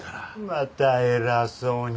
また偉そうに。